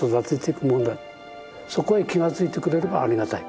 そこへ気が付いてくれればありがたい。